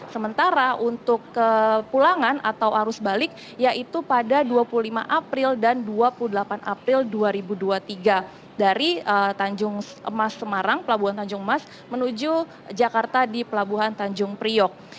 sementara untuk kepulangan atau arus balik yaitu pada dua puluh lima april dan dua puluh delapan april dua ribu dua puluh tiga dari tanjung emas semarang pelabuhan tanjung emas menuju jakarta di pelabuhan tanjung priok